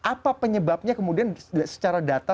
ini apa penyebabnya kemudian secara data secara data